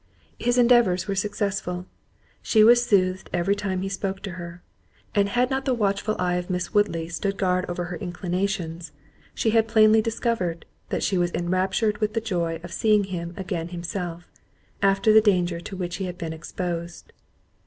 His endeavours were successful—she was soothed every time he spoke to her; and had not the watchful eye of Miss Woodley stood guard over her inclinations, she had plainly discovered, that she was enraptured with the joy of seeing him again himself, after the danger to which he had been exposed.